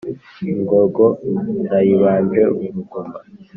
Ingogo nayibanje uruguma